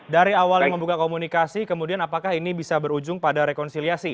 dari awalnya membuka komunikasi kemudian apakah ini bisa berujung pada rekonsiliasi